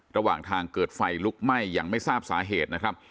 ระหว่างทางเกิดไฟลุกไหม้ยังไม่ทราบสาเหตุนะครับ